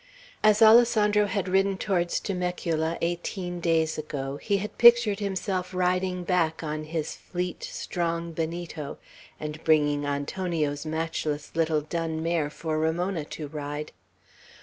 As Alessandro had ridden towards Temecula, eighteen days ago, he had pictured himself riding back on his fleet, strong Benito, and bringing Antonio's matchless little dun mare for Ramona to ride.